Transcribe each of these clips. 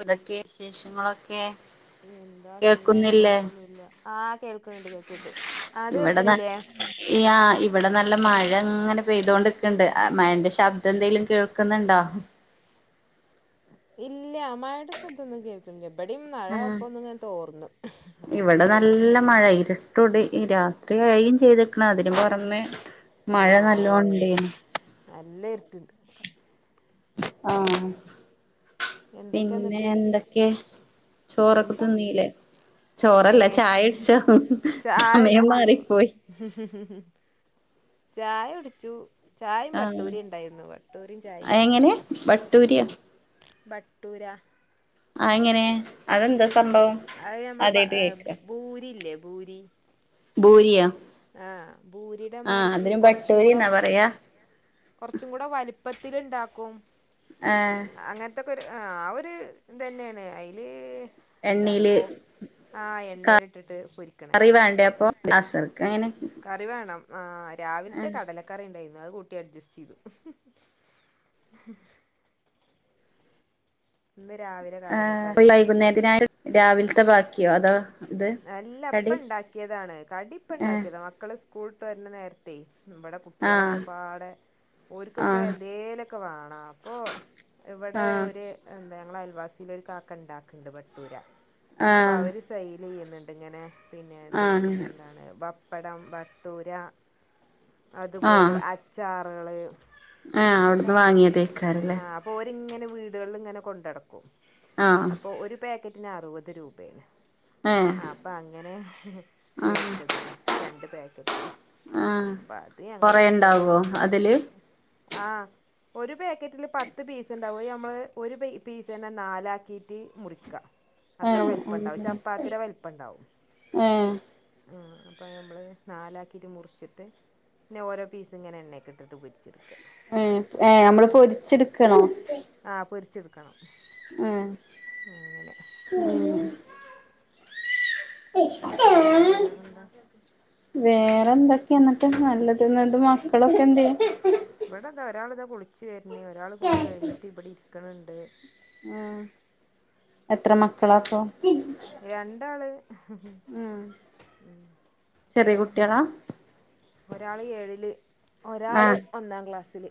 എന്തൊക്കെ വിശേഷങ്ങളൊക്കെ എന്താ സുഖാണ് കേൾക്കുന്നില്ലേ കൊഴപ്പൊന്നുല്ല ആഹ് കേൾക്ക്ണ്ണ്ണ്ട് കേൾക്ക്ണ്ണ്ണ്ട് അങ്ങട്ട് കേൾക്ക്ണില്ലെ ഈ ആഹ് ഇവിടെ നല്ല മഴ ഇങ്ങനെ പെയ്തകൊണ്ട് നിക്കണ്‌ണ്ട് മഴന്റെ ശബ്ദം എന്തെലും കേൾക്ക് കേൾക്ക്ന്നുണ്ടോ ഇല്ല മഴയുടെ ശബ്ദൊന്നും കേൾക്ക് ക്ക്ണില്ല ഇവിടെം മഴ ആഹ് ഇപ്പ ഒന്ന്ങ്ങനെ തോർന്നു ആദ്യം ഇവിടെ ഉണ്ടായീന്നു നല്ല മഴ ഇരുട്ടോടി ഈ രാത്രിയായിം ചെയ്ത്ക്ക്ണ് അതിന് പുറമെ മഴ ആഹ് നല്ലോണ്ടേന് നല്ല ഇരുട്ടുണ്ട് ആഹ് എന്തൊക്കെയാ പിന്നെ എന്നിട്ട് എന്തൊക്കെ ചോറൊക്കെ എന്താ തിന്നീല്ലെ ചോറല്ല ഏഹ് ചായ കുടിച്ചു ചായ സമയം കുടിച്ചു മാറിപ്പോയി ചായ കുടിച്ചു ചായിം ആഹ് ബട്ടൂരിണ്ടായിരുന്നു ബട്ടൂരിം ചായിം കുടിച്ചു.. വട്ടൂരിയാ.. ബട്ടൂര. അതെങ്ങനാ അതെന്താ സംഭവം.. അത് ഞമ്മള് ബ. ആദ്യായിട്ട് കേക്ക ബൂരി ഇല്ലേ ബൂരി.. ബൂരിയ.. ആഹ് ബൂരിയുടെമാരിക്ക് കൊറച്ചും കൂടെ.. ബട്ടൂരിന്നാ പറയാ കൊറച്ചും കൂടെ വലിപ്പത്തിൽ ഇണ്ടാക്കും.. ആഹ്‌.. അങ്ങൻത്തെകൊരു ആഹ് ആ ഒരു ഇതെന്നേണ്. അയില് എന്താണ് എണ്ണീല് കോ.. ആഹ് എണ്ണയിലെട്ടിട്ട് പൊരി.. കറി വേണ്ടേ അപ്പൊ അസർകെങ്ങനെ.. കറി വേണം ആഹ് രാവിലത്തെ കടല.. കറിഉണ്ടായിരുന്നു അത് കൂട്ടി അഡ്ജസ്റ്റ് ചെയ്തു.. ഇന്ന് രാവിലെ കടല ആഹ് കറിയാരുന്നു.. [unintelligible] രാവിലത്തെ ബാക്കിയോ അതോ.. ഇത് അല്ല ഇപ്പ കടി ഇണ്ടാക്കിയതാണ് കടിപ്പ ഏഹ് ഉണ്ടാക്കിയതാ മക്കള് സ്കൂള് വിട്ട് വരുന്ന നേരത്തെ നമ്മടെ.. കുട്ടിളൊക്കെ ആഹ് പാടെ.. ഓര് ക്കൊക്കെ ആഹ് എന്തേലുക്കെ വേണ അപ്പോ ഇവിടെ ആഹ് ഒരു.. എന്താ ഞങ്ങളെ അയൽവാസിലൊരു കാക്ക ണ്ടാക്ണ്ട് ബട്ടൂര.. അപ്പോ ആഹ് അവര് സെയിൽ ചെയ്യുന്നുണ്ട്. ഇങ്ങനെ പിന്നെ ഇത് ആഹ് എന്താണ്. ബപ്പ്.. പപ്പടം ബട്ടൂര.. അതുപോലെ ആഹ് അച്ചാറുകള് ആഹ് പിന്നെപ്പം എന്താ. അവിടുന്ന് വാങ്ങിയതേക്കാരല്ലേ ആഹ്.. ഓരിങ്ങനെ വീടുകളില് ഇങ്ങനെ കൊണ്ട് നടക്കു. ആഹ് അപ്പോ ഒരു പാക്കറ്റ്. ന്. അറുവത് രൂപയാണ്. ഏഹ് ആഹ്. അപ്പ അങ്ങനെ. ആഹ് വേടിച്ചതാണ് രണ്ട് പാക്കറ്റും.. ആഹ് അപ്പഅത് ഞങ്ങളും കൊറേ കുട്ടികളും ഇണ്ടാവോ കൂടെ അങ്ങനെ അതില് ആഹ്.. ഒരു പേക്കറ്റില് പത്ത് പീസ്ണ്ടാവും അത് ഞമ്മള് ഒരു പെയ് പീസെന്നെ നാലാക്കീട്ട് മുറിക്കാ അത്ര ഏഹ് വൽപ്പണ്ടാവും ചപ്പാത്തിടെ വൽപ്പണ്ടാവും ഏഹ് ആഹ് അപ്പ ഞമ്മള് നാലാക്കിട്ട് മുറിച്ചിട്ട് പിന്നെ ഓരോപീസ്ങ്ങെനെ എണ്ണെക്കിട്ടിട്ട് പൊര് ച്ച്ട്ക്കാ ഏഹ് ഏഹ് അമ്മള് പൊരിച്ച്ട്ക്കണോ ആഹ് പൊരിച്ച്ട്ക്കണം ഏഹ് അങ്ങെനെ പിന്നേ വേറെന്താ വേറെ എന്തൊക്കെന്നട്ട് നല്ലത് ന്നട്ട് മക്കളൊക്കെ എന്തേ ഇവടെതാ ഒരാള്താ കുളിച്ച് വെര്ണ് ഒരാള് കുളി കഴിഞ്ഞിട്ട് ഇബെടെ ഇരിക്ക്ണ്‌ണ്ട് ഏഹ് എത്രെ മക്കളാപ്പം രണ്ടാള് ഉം ചെറ്യെ കുട്ട്യേളാ ഒരാള് ഏഴില് ഒരാള് ഒന്നാം ക്ലാസ്സില്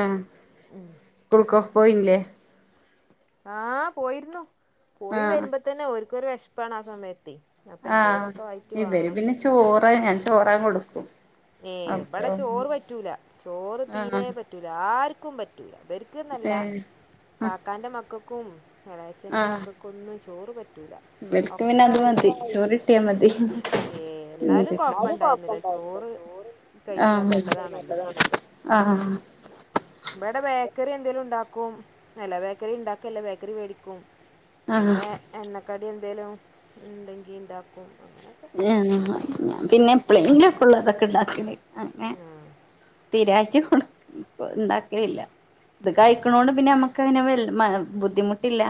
ഏഹ് സ്കൂൾക്കാെക്ക് പോയ്ല്ലേ ആഹ് പോയിരുന്നു പോയി ആഹ് വെര്മ്പതന്നെ ഓര്ക്കൊരു വെഷ്പ്പാണ് ആ സമയത്തെ അപ്പൊ ആഹ് എന്തേലൊക്കെ ആയിട്ട് ഇവര് പിന്നെ വേണം ചോറ് ഞാൻ ചോറാ കൊട്ക്കും ഏഹ് ബെടെ ചോറ് പറ്റൂല ചോറ് ആഹ് തീരേ പറ്റൂല ആര്ക്കും പറ്റൂല ബെര് ക്ക്ന്നല്ല ഏഹ് കാക്കാൻ്റെ മക്കക്കും എളെയെച്ചെൻ്റെ ആഹ് മക്കക്കൊന്നും ചോറ് പറ്റൂലാ ഇവർക്ക് പിന്നെ ഒക്കെ അത് ഈ മതി ചോറ് കിട്ടിയാ മതി ഏഹ് ന്നാലും കൊഴപ്പണ്ടായേര്ന്നില്ല ചോറ് ആഹ് കഴിച്ചാൽ മി നല്ലതാണല്ലോ [unintelligible] ആഹ് ആഹ് ബെടെ ബേക്കെറി എന്തേലുംണ്ടാക്കും അല്ല ബേക്കെറിണ്ടാക്കെല്ലാ ബേക്കെറി മേടിക്കും ആഹ് പിന്നെ എണ്ണക്കടി എന്തേലും ഇണ്ടെങ്കി ണ്ടാക്കും [unintelligible] ഞാൻ പിന്നെ എപ്പെളേങ്കിലൊക്കാെള്ളു അതൊക്കെണ്ടാക്കല് അങ്ങ്നെ ആ സ്ഥിരായ്ട്ട് കൊട് ഇണ്ടാക്കലില്ല ഇത് കഴിക്ക്ണോണ്ട് പിന്നെ ഞമ്മ ക്കങ്ങെനെ വെൽ മ ബുദ്ധിമുട്ടില്ല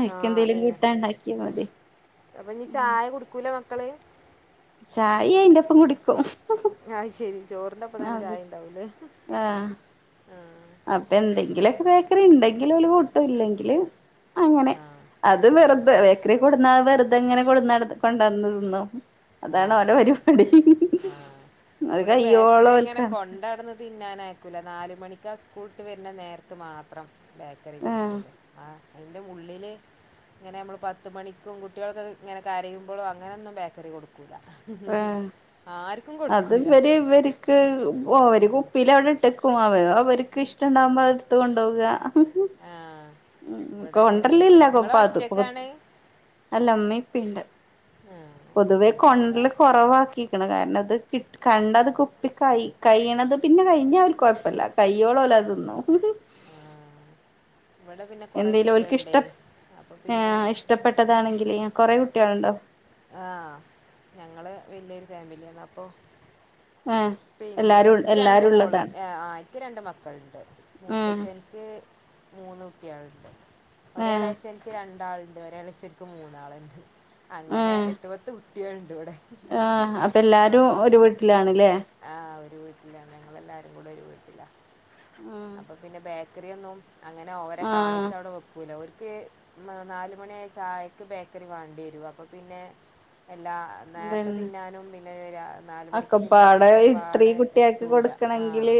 അയ്ക്ക് ആഹ് എന്തേലും അതെന്നെ കൂട്ടാൻ ഇണ്ടാക്കിയാ മതി അപ്പൊ ഞ്ഞി ചായ കുടിക്കൂല മക്കള് ചായിം അയ്ന്റെപ്പം കുടിക്കും ഏഹ് ശെരി ചോറിന്റെപ്പം തന്നെ അത് ചായിംണ്ടാവുലേ ആഹ് ആഹ് അപ്പൊ എന്തെങ്കിലൊക്കെ ബേക്കറിണ്ടെങ്കിലോല് കൂട്ടും ഇല്ലെങ്കില് അങ്ങെനെ ആഹ് അത് അങ്ങനെ വെറ്തെ പോന്നു ബേക്കെറി കൊട്ന്നാ അത് വെറ്തെങ്ങെനെ കൊടന്നട് കൊണ്ടാട്ന്ന് തിന്നും അതാണ് ആഹ് ഓലെ ആഹ് പര്പാടി ആഹ് അത് കയ്യോളാേല്ക്കൺക്കാ തിന്നാനയ്ക്കൂല നാല് മണിക്കാ സ്കൂൾട്ട് വര്ണ നേരത്ത് മാത്രം ബേക്കറി ആഹ് കൊട്ക്കാെള്ളൂ ആഹ് അയ്ന്റെ ഉള്ളില് ഇങ്ങെനെ ഞമ്മള് പത്ത് മണിക്കും കുട്ട്യേളൊക്കെങ്ങെനെ കരയ്മ്പളും അങ്ങെനൊന്നും ബേക്കെറി കൊട് ക്കൂല ആഹ് ആര്ക്കും കൊട്ക്കൂലാ ക്ക് ഓര് കുപ്പീലവ്ടെ ഇട്ടെക്കും അവ അവര്ക്ക് ഇഷ്ടണ്ടാവ്മ്പ അത്ട്ത്ത് കൊണ്ടോകാ ആഹ് ഉം ഇവിടെ അങ്ങനെ കൊണ്ടര്ലില്ല കേക്കൂല കൊപ്പ നിങ്ങള് അത് കൊ ഒറ്റക്കാണ് അല്ല മ്മീം പ്പീം ണ്ട് ആഹ് പൊതുവേ ഞങ്ങളിവിടെ കൊണ്ടര്ല് കൊറവാക്കീക്ക്ണ് കാരണം ത് കി കണ്ടാ ത് കുപ്പി കൈ കൈയ്യ്ണത് പിന്നെ കയ്ഞ്ഞാ അവര്ക്കൊഴപ്പല്ല കയ്യോളലത് ത്‌ന്നും ഇബെടെ പിന്നെ കാെറേ എന്തേലും കുട്ട്യേൾണ്ടേ അപ്പം പിന്നേ ട്ടപ്പെട്ടതാണെങ്കില് ഞൻ കൊറേ കുട്ട്യാൾണ്ടോ ആഹ് ഞങ്ങള് വെല്യാെര് ഫാമില്യാണ് അപ്പം എഹ് പിന്നെ ഇൻക്ക് രണ്ട് മോള് എഹ് ആഹ് നിക്ക് രണ്ട് മക്കളുണ്ട് ഏഹ് മൂത്തച്ഛൻക്ക് മൂന്ന് കുട്ടികളുണ്ട് ഏഹ് ഒരാളാച്ചൻക്ക് രണ്ടാളണ്ട് ഒരളച്ചൻക്ക് മൂന്നാളണ്ട് അങ്ങനെ ഏഹ് എട്ട് പത്ത് കുട്ടിക്കൾ ഉണ്ട് ഇവിടെ ആഹ് അപ്പൊ എല്ലാരും ഒരു വീട്ടിലാണ്ല്ലേ ആഹ് ഒരു വീട്ടിലാണ് നങ്ങളെല്ലാരും കൂടെ ഒരു വീട്ടില ഉം പിന്നെ ബേക്കറി ഒന്നും അങ്ങനെ ഓരെ കാണിച്ച ആഹ് അവിടെ വെക്കും ക്കൂല ഒർക്ക് നാലുമണിയ ചായ്ക്ക് ബേക്കറി വേണ്ടി വരു അപ്പൊ പിന്നെ എല്ലാ നേരത്തെ അതന്നെ തിന്നാനും പിന്നെ നാലുമണിക്ക് തിന്നാനും അക്കപ്പാടെ ഇത്രീ ഒക്കപ്പാടെ കുട്ടിയാക്ക് എത്തൂല ആഹ് കൊടുക്കണെങ്കില്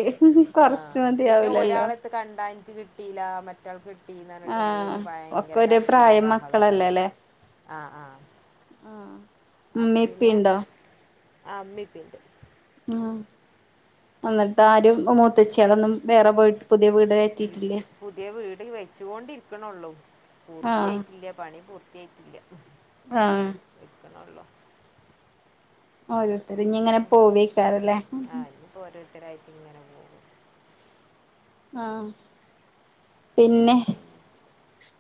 കൊറച്ച് ആഹ് പിന്നെ മതിയാവൂലല്ലോ ഒരാള കണ്ട എനക്ക് കിട്ടീല്ല മറ്റ റ്റാൾ കിട്ടീന്ന് പറഞ്ഞിട്ട് ആഹ് ഓര് ഒക്കെ ഭയങ്കര ഒരേ കരച്ചിലും പ്രായം ബഹളക്കാരം മക്കളല്ലേല്ലേ ആഹ് ആഹ് ആഹ് അപ്പം ഉമ്മീം പിന്നെ ഇപ്പീണ്ടോ ആഹ് മ്മീം പ്പീ ഉണ്ട് ഉം എന്നിട്ട് ആരും മൂത്തച്ച്ചികളൊന്നും വേറെ പോയിട്ട് പുതിയ വീട് കയറ്റിയിട്ടില്ലേ പുതിയ വീട് വെച്ചുകൊണ്ടിരിക്കണള്ളൂ ആഹ് പൂർത്തിയായിട്ടില്ല പണി പൂർത്തിയായിട്ടില്ല ആഹ് ഇട്ക്ക്ണോള്ളൂ ഓരോരുത്തര് ഇങ്ങനെ പോവക്കാറല്ലേ ആഹ് ഇനിയിപ്പോ ഓരോരുത്തരായിട്ട് ഇങ്ങനെ പോവും ആഹ് പിന്നെ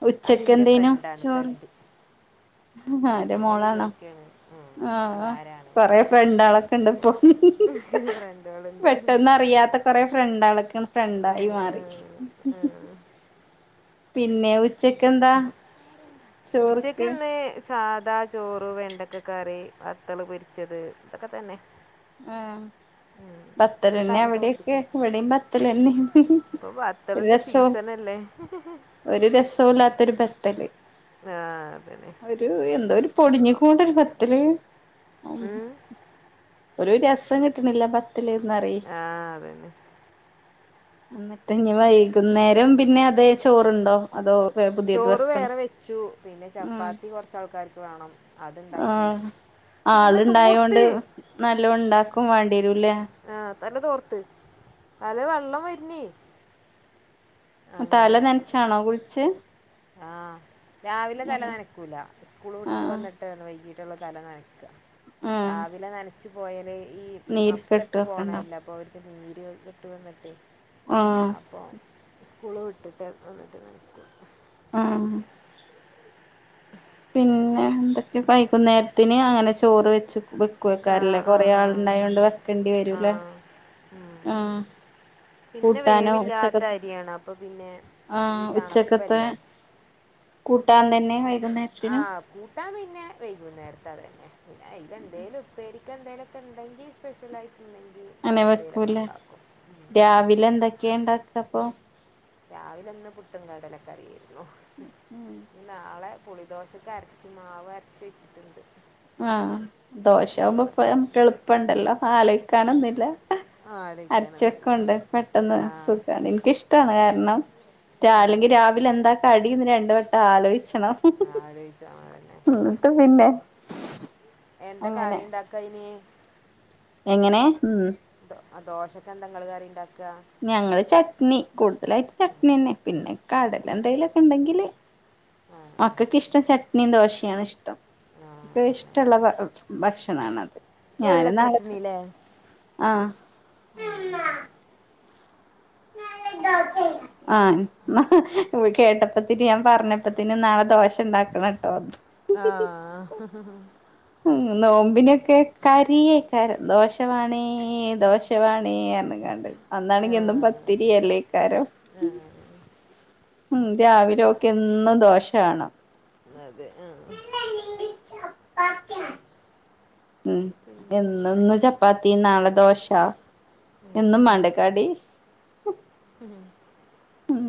ഉച്ചക്ക് അതെൻ്റെ എന്തേനോ ഫ്രണ്ടാണ് ചോറ് ഫ്രണ്ട് ആടെ ഓള് മോളാണോ ചോദിക്കാണ് ഉം, ആഹ് അതാരാണ് കൊറെ ഫ്രണ്ടളൊക്കെ ഇണ്ട് ഇപ്പൊ ഫ്രണ്ടുകളുണ്ട് പെട്ടെന്ന് അറിയാത്ത കൊറെ ഫ്രണ്ട ആക്ക ഫ്രണ്ടായി മാറി പിന്നെ ഉച്ചക്ക് എന്താ ഉച്ചക്ക് ചോറ്ക്ക് ഇന്ന് സാദാ ചോറ് വെണ്ടക്ക കറി വത്തള് പൊരിച്ചത് ഇതൊക്കെ തന്നെ ആഹ് ആ ബത്തൽന്നെ തല തോർത്തിക്ക ഇവിടെക്കെ ഇവിടെയും ബത്തൽന്നെ ഇപ്പൊ ബത്തലിന്റെ സീസൺ അല്ലേ ഒരു രസവും ഇല്ലാത്തരു ബത്തല് ആഹ് അതന്നെ ഒരു എന്തോ ഒരു പൊടിഞ്ഞു കൂടരു ബത്തില് ഉം ഒരു രസം കിട്ടണില്ല ബത്തില്ന്നറിയി ആ അതന്നെ എന്നിട്ട് ഇനി വൈകുന്നേരം പിന്നെ അതേ ചോറണ്ടോ അതോ പുതിയത് ചോറ് വെക്കണോ വേറെ വെച്ചു പിന്നെ ആഹ് ചപ്പാത്തി കുറച്ചാൾക്കാർക്ക് വേണം അത്ണ്ടാക്കി ആഹ് തല തോർത്ത് നല്ല ഉണ്ടാക്കും വേണ്ടിരും ഇല്ലേ ആഹ് തല തോർത്ത് തല വെള്ളം വരുന്നേ തല നനച്ചാണോ കുളിച്ചെ ആഹ് രാവിലെ തല നനക്കൂല സ്കൂള് വിട്ട് ആഹ് വന്നിട്ട് വൈകിട്ടുള്ള തല നനക്ക ആഹ് രാവിലെ ന ച്ച് പോയല് ഈ മഫ്ത ഇട്ട് നീര്ക്കെട്ടൊക്കെ ഉണ്ടാവും പോണല്ല അപ്പൊ അവർക്ക് നീര് കെട്ട്ന്നിട്ടേ ആഹ് അപ്പൾ സ്കൂള് വിട്ടിട്ട് വന്നിട്ട് നനക്കുള്ളു ആഹ് ഉ പിന്നെ എന്തൊക്കെ വൈകുന്നേരത്തിന് അങ്ങനെ ചോറ് വെച്ച് വക്ക ആ വെക്കാറല്ലേ ആ കൊറെ ആൾ ഉണ്ടായ ആ കൊണ്ട് വെക്കേണ്ടി ആ വരൂല്ലേ ഉം ആഹ് പിന്നെ കൂട്ടാനോ വേവില്ലാത്ത ഉച്ചക്കത്തെ അരിയാണ് അപ്പൊ പിന്നെ ഈ ആഹ് ഉച്ചക്കത്തെ തണുപ്പല്ലേ കൂട്ടാൻ തന്നെ വൈകുന്നേരം ആ കൂട്ടാൻ പിന്നെ വൈകും നേരത്തെ അത തന്നെ പിന്ന അല എന്തേലും ഉപ്പ ചിക്ക എന്തേലുമൊക്കെ ഉണ്ടെങ്കിൽ സ്പെഷ്യൽ ആയിട്ട് ഉണ്ടെങ്കിൽ അതെന്തേലും ഒക്കെ ഉണ്ടാക്കും വിലന്തക്ക ക്ക ഉണ്ടാക്ക അപ്പൊ രാവിലെ അന്ന് പുട്ടും കാടലൊക്കെ അറിയായിരുന്നു ഉം നാളെ പുളിദോശക്കെ അരച്ച് മാവ് അരച്ച വെച്ചിട്ടുണ്ട് ആഹ അതിനുള്ള ദോശകുമ്പോ എളുപ്പുണ്ടല്ലോ ആല സാനൊന്നില്ല ആലോചിക്കാനൊന്നുമില്ല അരച്ചൊക്കണ്ട് പെട്ടെന്ന് ആ സുഖമാണ് എനിക്കിഷ്ടമാണ് ക ണം അല്ലെങ്കിൽ രാവിലെ എന്താ അടന്ന് രണ്ട വട്ടം ആലോചിച്ചണം ആലോചിച്ചതന്നെ എന്തൊക്കെ അങ്ങനെ അറിുണ്ടാക്ക ഇന എങ്ങനെ ഉ ദോഷൊക്കെ എന്തെങ്കൾ കാര്റി ഉണ്ടാക്കുക ഞങ്ങള് ചട്നി കൂടുതലായിട്ട് ചട്നി തന്നെ പിന്നെ കടല എന്തെലും ഒക്കെ ഉണ്ടെങ്കില് ആഹ് ആഹ് മക്കൊക്കെ ഇഷ്ടം ചട്നിയും ദോശയാാണ് ആഹ് ഇഷ്ടംക്ക അതന്നെ ഇഷ്ടമുള്ള ഭക്ഷണണത് ഞാന് നാളക്ക് വെള്ളച്ചട്ടണില്ലേ ആഹ നക്ക ആഹ കേട്ടപ്പത്തിന് ഞാൻ പറഞ്ഞപ്പത്തിന് നാളെ ദോഷ ഉണ്ടാക്കണ കേട്ടോ ആഹ ഉം നോമ്പിനൊക്കെ കരിയേകാരം ദോശവാണേ ദോശ ദോശ വാണെ പറഞ്ഞ കണ്ട് അന്നാണെങ്കി എന്നും പത്തിരിയ അല്ലേക്കാരം ആഹ ഉം രാവില ഒക്കെ എന്നും ദോഷ വേണം അതെ ആ ഉ എന്നന്ന് ചപ്പാത്തി ചപ്പാത്തി നാളെ ദോശ എന്നും മാണ്ടേ കടി ഉം ഉം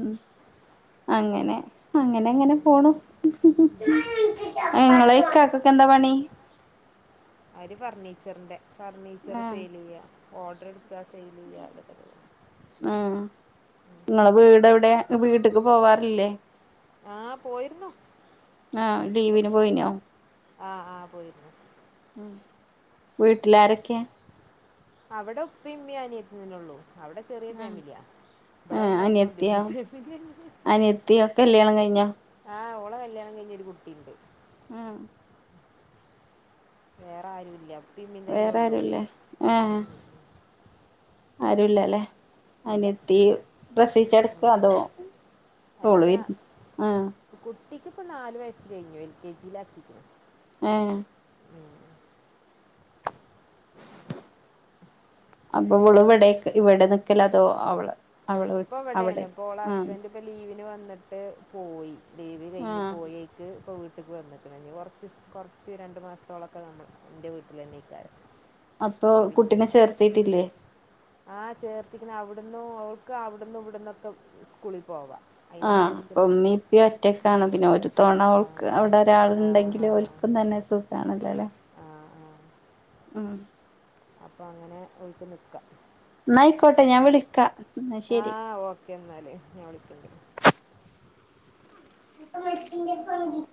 അങ്ങനെ അങ്ങനെ അങ്ങനെ പോണു ആ ഇങ്ങളെ ഇക്കാക്കൊക്കെ എന്താ പണി അവര് ഫർണീച്ചറിന്റെ ഫർണിച്ചറ് ആഹ് സെയിൽ ചെയ്യ ഓർഡർ എടുക്കുക സെയിൽ ചെയ്യ അതൊക്കെ തന്നെ ആ ഇങ്ങളെ വീട് എവിടെ വീട്ടക്ക് പോവാറില്ലേ ആഹ് പോയിരുന്നു ആഹ ലീവിന് പോയിനോ ആഹ് ആഹ് പോയിരുന്നു ഉം വീട്ടിലാരൊക്കെ അവിടെ ഉപ്പ ഉമ്മി അനിയത്തി തന്നെ ഒള്ളു അവിടെ ചെറിയ ഫാമിലിയ ആഹ് ഇവിടെ വന്നോക്കുമ്പോ അനിയത്തിയോ വല്യ ഫാമിലിയ അനിയത്തിയോ കല്യാണം കഴിഞ്ഞോ ആഹ് ഓളെ കല്യാണം കഴിഞ് ഒരു കുട്ടിയുണ്ട് ഉം വേറെ ആരുല്ല ഇപ്പി ഇമ്മീ തന്നെ വേറെ ഉള്ളു ആരുല്ലേ ആഹ് ഉം ആരുല്ലല്ലേ ഇല്ല അനിയത്തി പ്രസവിച്ച് കിടക്ക അതോ ഓള് ആ കുട്ടിക്ക് ഇപ്പം നാല് വയസ്സ് കഴിഞ്ഞു എൽ കെ ജിൽ ആക്കിക്ക്ണ്‌ ആഹ അപ്പൊ ഇവള് ഇവിടെ ഇവിടെ നിക്കല് അതോ അവള് അവള് ഇപ്പോ അവിടെ എവിടെയാണ് ഇപ്പോ ആഹ് ഹസ്ബൻറ് ഇപ്പോ ലീവിന് വന്നിട്ട് പോയി ലീവ് കഴിഞ്ഞ് ആഹ് പോയി ക്ക് ഇപ്പോ വീട്ട്ക്ക് വന്നക്ക്ണ് ഇനി കുറച്ച് കുറച്ച് രണ്ട് മാസത്തോളൊക്കെ നമ്മൾ എൻ്റെ വീട്ടിൽ തന്നെ ആയിക്കാരം അപ്പോ കുട്ടിനെ ചേർത്തിട്ടില്ലേ ആ ചേർത്തിക്ക്ണ്‌ അവിടുന്നു ഓൾക് അവിടുന്നുവിടുന്നൊക്കെ സ്കൂളിൽ പോവാ ആഹ് ഇപ്പോമ്മി പ്പി ഒറ്റക്കാണ് പിന്നെ ഒരു തോണ ആ ഓൾക്ക് ആ ആ അവിടൊരാള്ണ്ടെങ്കില് ഓല്ക്ക് തന്നെ സുഖാണല്ലോല്ലെ ആ ഉം അപ്പോങ്ങനെ ഓല്ക്ക് നിക്കാം ന്നായിക്കോട്ടെ ഞാൻ വിളിക്കാം ന്നാ ശെരി ഒക്കെന്നാല് ഞാൻ വിളിക്ക്ണ്ട് [unintelligible]